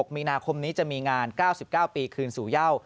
มีนาคมนี้จะมีงาน๙๙ปีคืนสู่เย่า